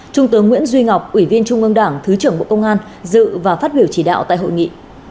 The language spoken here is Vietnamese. trung tướng nguyễn duy ngọc ủy viên trung ương đảng thứ trưởng bộ công an dự và phát biểu chỉ đạo tại hội nghị